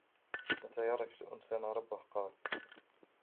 مَتَى يَعْرِفُ الْإِنْسَانُ رَبَّهُ ؟ قَالَ